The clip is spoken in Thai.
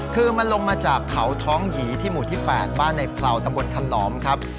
คือมันลงมาจากเขาท้องหยีที่หมู่ที่๘บ้านในเพราตำบลขนอมครับ